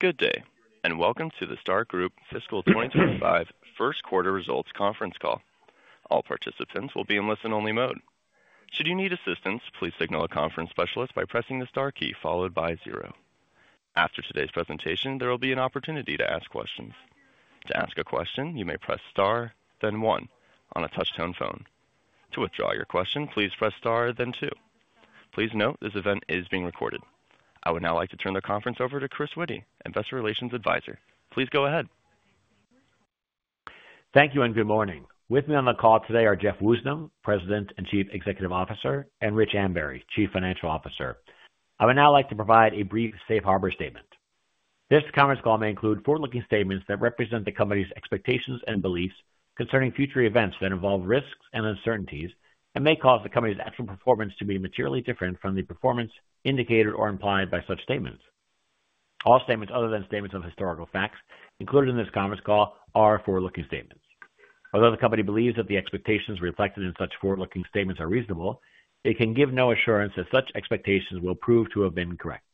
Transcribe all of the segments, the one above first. Good day, and welcome to the Star Group Fiscal 2025 first quarter results conference call. All participants will be in listen-only mode. Should you need assistance, please signal a conference specialist by pressing the star key followed by zero. After today's presentation, there will be an opportunity to ask questions. To ask a question, you may press star, then one, on a touch-tone phone. To withdraw your question, please press star, then two. Please note this event is being recorded. I would now like to turn the conference over to Chris Witty, Investor Relations Advisor. Please go ahead. Thank you, and good morning. With me on the call today are Jeff Woosnam, President and Chief Executive Officer, and Rich Ambury, Chief Financial Officer. I would now like to provide a brief safe harbor statement. This conference call may include forward-looking statements that represent the company's expectations and beliefs concerning future events that involve risks and uncertainties and may cause the company's actual performance to be materially different from the performance indicated or implied by such statements. All statements other than statements of historical facts included in this conference call are forward-looking statements. Although the company believes that the expectations reflected in such forward-looking statements are reasonable, it can give no assurance that such expectations will prove to have been correct.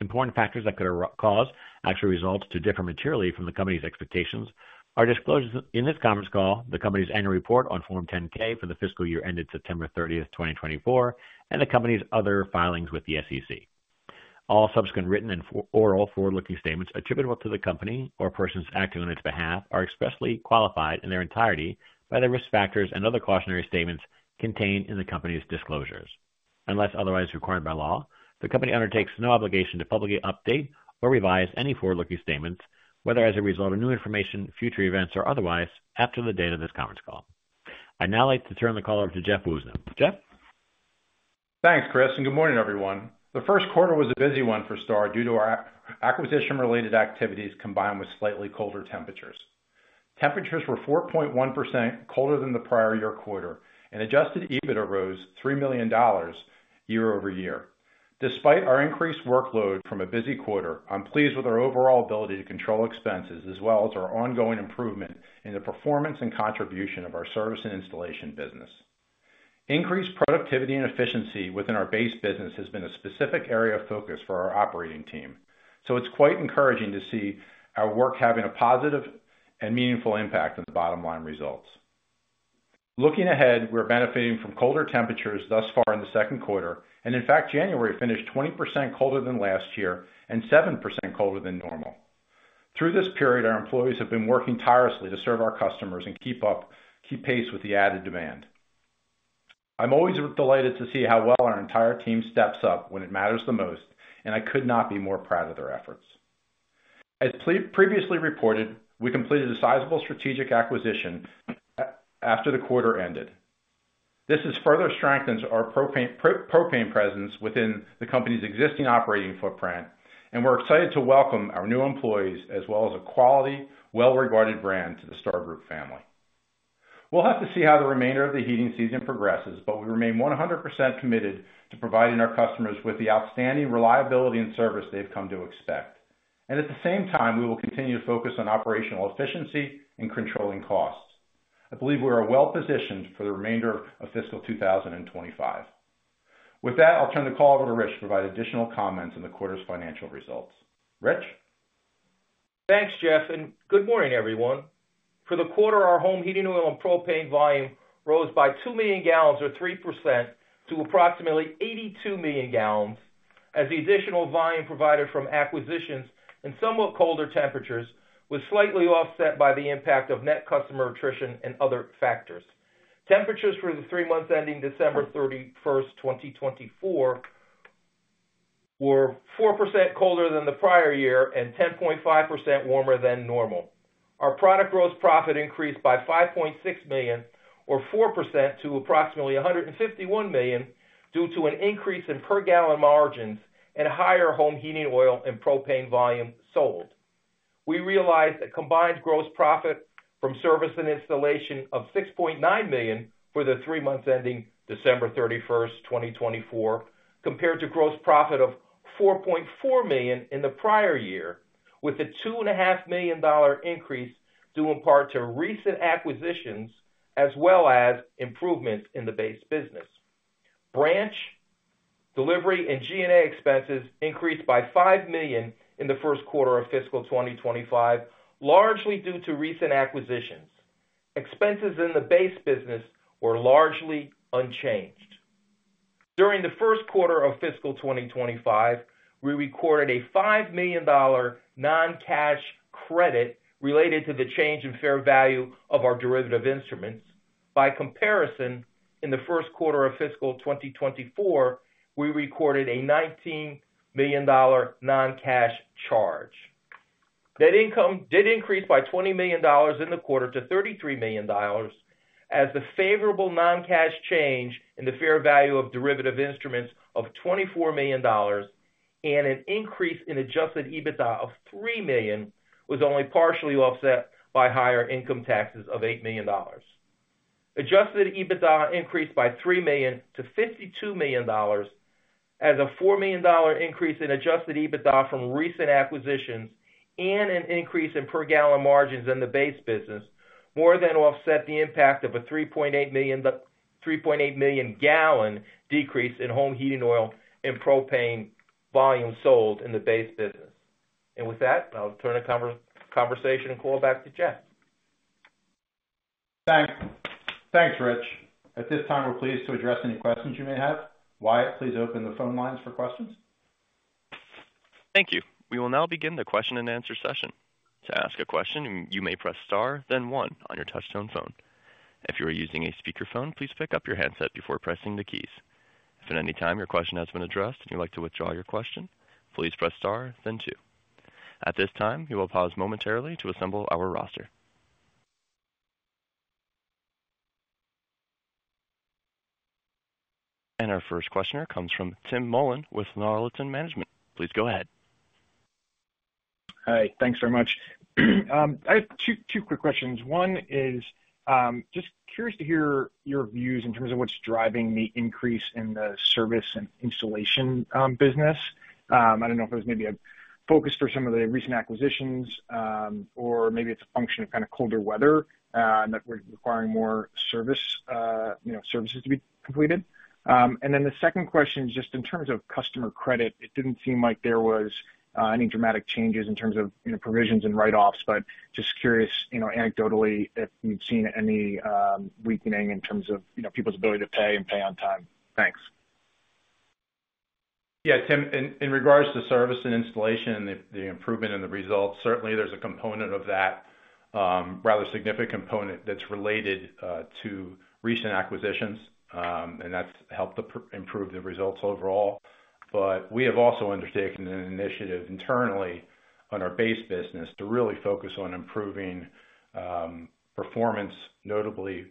Important factors that could cause actual results to differ materially from the company's expectations are disclosed in this conference call, the company's annual report on Form 10-K for the fiscal year ended September 30th, 2024, and the company's other filings with the SEC. All subsequent written and oral forward-looking statements attributable to the company or persons acting on its behalf are expressly qualified in their entirety by the risk factors and other cautionary statements contained in the company's disclosures. Unless otherwise required by law, the company undertakes no obligation to publicly update or revise any forward-looking statements, whether as a result of new information, future events, or otherwise, after the date of this conference call. I'd now like to turn the call over to Jeff Woosnam. Jeff? Thanks, Chris, and good morning, everyone. The first quarter was a busy one for Star due to our acquisition-related activities combined with slightly colder temperatures. Temperatures were 4.1% colder than the prior year quarter, and Adjusted EBITDA rose $3 million year over year. Despite our increased workload from a busy quarter, I'm pleased with our overall ability to control expenses as well as our ongoing improvement in the performance and contribution of our service and installation business. Increased productivity and efficiency within our base business has been a specific area of focus for our operating team, so it's quite encouraging to see our work having a positive and meaningful impact on the bottom line results. Looking ahead, we're benefiting from colder temperatures thus far in the second quarter, and in fact, January finished 20% colder than last year and 7% colder than normal. Through this period, our employees have been working tirelessly to serve our customers and keep up, keep pace with the added demand. I'm always delighted to see how well our entire team steps up when it matters the most, and I could not be more proud of their efforts. As previously reported, we completed a sizable strategic acquisition after the quarter ended. This has further strengthened our propane presence within the company's existing operating footprint, and we're excited to welcome our new employees as well as a quality, well-regarded brand to the Star Group family. We'll have to see how the remainder of the heating season progresses, but we remain 100% committed to providing our customers with the outstanding reliability and service they've come to expect. And at the same time, we will continue to focus on operational efficiency and controlling costs. I believe we are well positioned for the remainder of fiscal 2025. With that, I'll turn the call over to Rich to provide additional comments on the quarter's financial results. Rich? Thanks, Jeff, and good morning, everyone. For the quarter, our home heating oil and propane volume rose by 2 million gallons, or 3%, to approximately 82 million gallons, as the additional volume provided from acquisitions and somewhat colder temperatures was slightly offset by the impact of net customer attrition and other factors. Temperatures for the three months ending December 31st, 2024, were 4% colder than the prior year and 10.5% warmer than normal. Our product gross profit increased by $5.6 million, or 4%, to approximately $151 million due to an increase in per-gallon margins and higher home heating oil and propane volume sold. We realized a combined gross profit from service and installation of $6.9 million for the three months ending December 31st, 2024, compared to gross profit of $4.4 million in the prior year, with a $2.5 million increase due in part to recent acquisitions as well as improvements in the base business. Branch, delivery, and G&A expenses increased by $5 million in the first quarter of fiscal 2025, largely due to recent acquisitions. Expenses in the base business were largely unchanged. During the first quarter of fiscal 2025, we recorded a $5 million non-cash credit related to the change in fair value of our derivative instruments. By comparison, in the first quarter of fiscal 2024, we recorded a $19 million non-cash charge. Net income did increase by $20 million in the quarter to $33 million, as the favorable non-cash change in the fair value of derivative instruments of $24 million and an increase in adjusted EBITDA of $3 million was only partially offset by higher income taxes of $8 million. Adjusted EBITDA increased by $3 million to $52 million, as a $4 million increase in adjusted EBITDA from recent acquisitions and an increase in per-gallon margins in the base business more than offset the impact of a 3.8 million gallon decrease in home heating oil and propane volume sold in the base business. And with that, I'll turn the conversation and call back to Jeff. Thanks. Thanks, Rich. At this time, we're pleased to address any questions you may have. Wyatt, please open the phone lines for questions. Thank you. We will now begin the question and answer session. To ask a question, you may press star, then one, on your touch-tone phone. If you are using a speakerphone, please pick up your headset before pressing the keys. If at any time your question has been addressed and you'd like to withdraw your question, please press star, then two. At this time, we will pause momentarily to assemble our roster. And our first questioner comes from Tim Mullen with Laurelton Management. Please go ahead. Hi, thanks very much. I have two quick questions. One is just curious to hear your views in terms of what's driving the increase in the service and installation business. I don't know if there's maybe a focus for some of the recent acquisitions, or maybe it's a function of kind of colder weather that we're requiring more services to be completed. And then the second question is just in terms of customer credit, it didn't seem like there were any dramatic changes in terms of provisions and write-offs, but just curious, anecdotally, if you've seen any weakening in terms of people's ability to pay and pay on time. Thanks. Yeah, Tim, in regards to service and installation and the improvement in the results, certainly there's a component of that, a rather significant component that's related to recent acquisitions, and that's helped improve the results overall, but we have also undertaken an initiative internally on our base business to really focus on improving performance, notably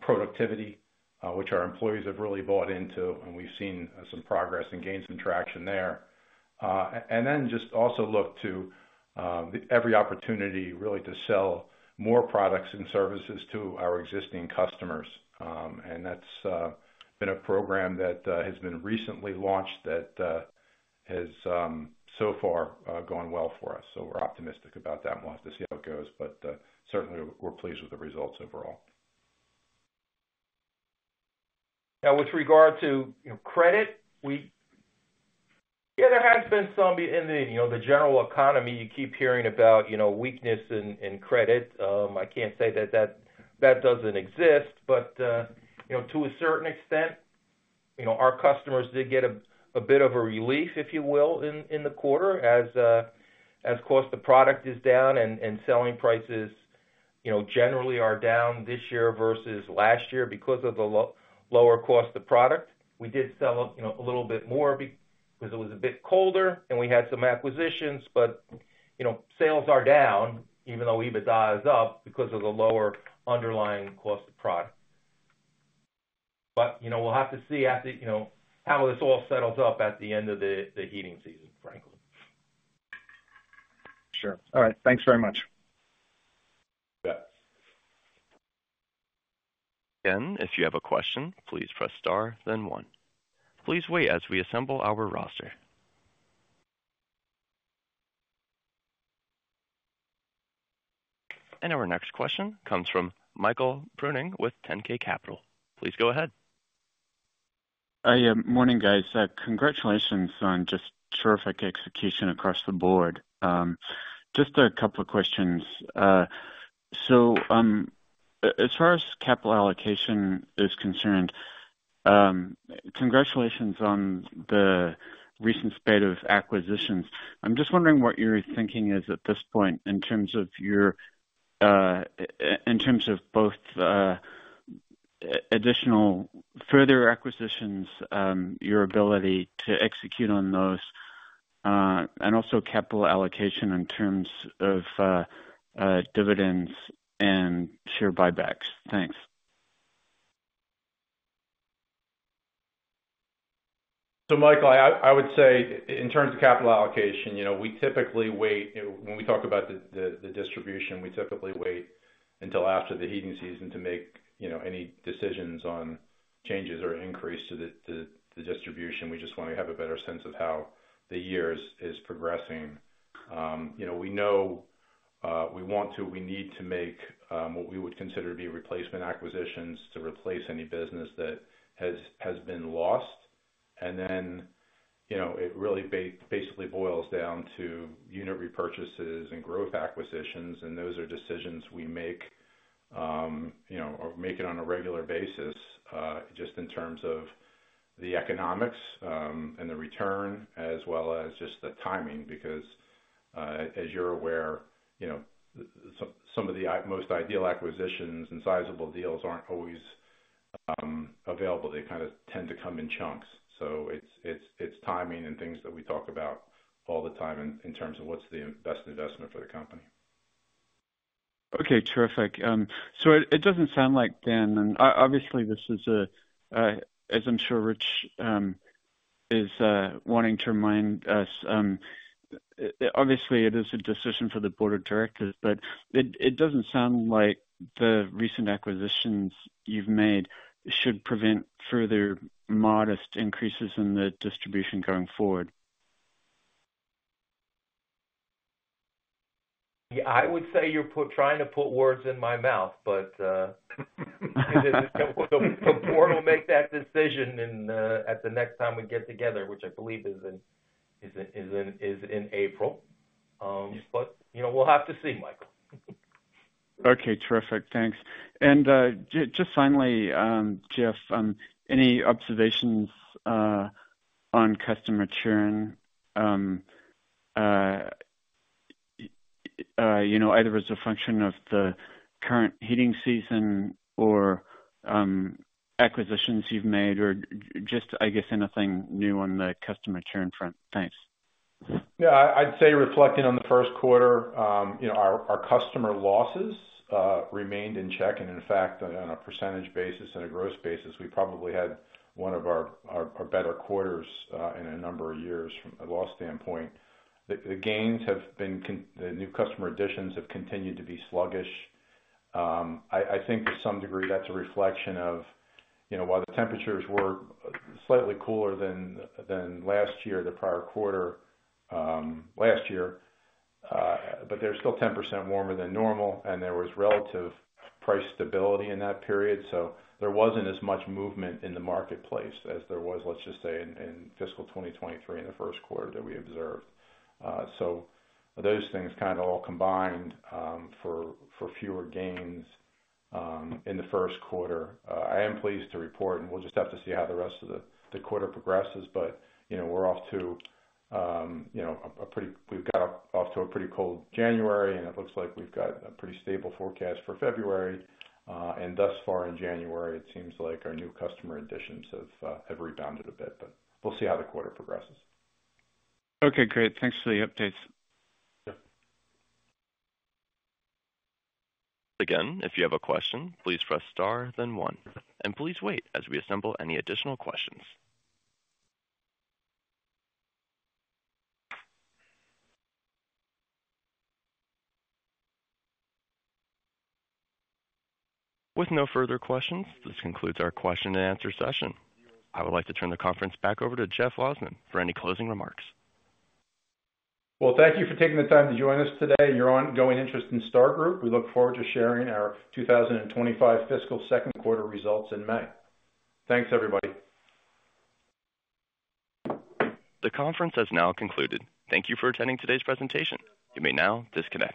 productivity, which our employees have really bought into, and we've seen some progress and gained some traction there, and then just also look to every opportunity really to sell more products and services to our existing customers, and that's been a program that has been recently launched that has so far gone well for us, so we're optimistic about that and we'll have to see how it goes, but certainly we're pleased with the results overall. Now, with regard to credit, we, yeah, there has been some in the general economy. You keep hearing about weakness in credit. I can't say that that doesn't exist, but to a certain extent, our customers did get a bit of a relief, if you will, in the quarter as cost of product is down and selling prices generally are down this year versus last year because of the lower cost of product. We did sell a little bit more because it was a bit colder, and we had some acquisitions, but sales are down even though EBITDA is up because of the lower underlying cost of product. But we'll have to see how this all settles up at the end of the heating season, frankly. Sure. All right. Thanks very much. Yeah. Again, if you have a question, please press star, then one. Please wait as we assemble our roster. And our next question comes from Michael Prouting with 10K Capital. Please go ahead. Hi, morning, guys. Congratulations on just terrific execution across the board. Just a couple of questions. So as far as capital allocation is concerned, congratulations on the recent spate of acquisitions. I'm just wondering what your thinking is at this point in terms of both additional further acquisitions, your ability to execute on those, and also capital allocation in terms of dividends and share buybacks. Thanks. So, Michael, I would say in terms of capital allocation, we typically wait. When we talk about the distribution, we typically wait until after the heating season to make any decisions on changes or increase to the distribution. We just want to have a better sense of how the year is progressing. We know we want to, we need to make what we would consider to be replacement acquisitions to replace any business that has been lost. And then it really basically boils down to unit repurchases and growth acquisitions, and those are decisions we make or make it on a regular basis just in terms of the economics and the return as well as just the timing because, as you're aware, some of the most ideal acquisitions and sizable deals aren't always available. They kind of tend to come in chunks. It's timing and things that we talk about all the time in terms of what's the best investment for the company. Okay, terrific. So it doesn't sound like then, and obviously this is a, as I'm sure Rich is wanting to remind us, obviously it is a decision for the board of directors, but it doesn't sound like the recent acquisitions you've made should prevent further modest increases in the distribution going forward. I would say you're trying to put words in my mouth, but the board will make that decision at the next time we get together, which I believe is in April. But we'll have to see, Michael. Okay, terrific. Thanks. And just finally, Jeff, any observations on customer churn? Either as a function of the current heating season or acquisitions you've made, or just, I guess, anything new on the customer churn front? Thanks. Yeah, I'd say reflecting on the first quarter, our customer losses remained in check, and in fact, on a percentage basis and a gross basis, we probably had one of our better quarters in a number of years from a loss standpoint. The new customer additions have continued to be sluggish. I think to some degree that's a reflection of why the temperatures were slightly cooler than last year, the prior quarter last year, but they're still 10% warmer than normal, and there was relative price stability in that period, so those things kind of all combined for fewer gains in the first quarter. I am pleased to report, and we'll just have to see how the rest of the quarter progresses, but we're off to a pretty, we've got off to a pretty cold January, and it looks like we've got a pretty stable forecast for February, and thus far in January, it seems like our new customer additions have rebounded a bit, but we'll see how the quarter progresses. Okay, great. Thanks for the updates. Sure. Again, if you have a question, please press star, then one. And please wait as we assemble any additional questions. With no further questions, this concludes our question and answer session. I would like to turn the conference back over to Jeff Woosnam for any closing remarks. Well, thank you for taking the time to join us today and your ongoing interest in Star Group. We look forward to sharing our 2025 fiscal second quarter results in May. Thanks, everybody. The conference has now concluded. Thank you for attending today's presentation. You may now disconnect.